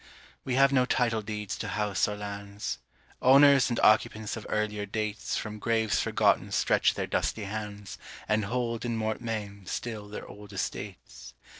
We have no title deeds to house or lands; Owners and occupants of earlier dates From graves forgotten stretch their dusty hands, And hold in mortmain still their old estates.